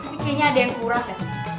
tapi kayaknya ada yang kurang deh